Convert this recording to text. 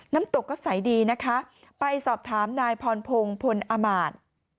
น้ำตกก็ใสดีนะคะไปสอบถามนายพรพงศ์พลอมาตย์